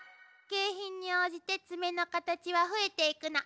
景品に応じてツメのカタチは増えていくの。